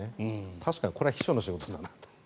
確かにこれは秘書の仕事だなと。